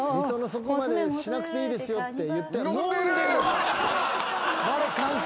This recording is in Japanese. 「そこまでしなくていいですよ」って言って。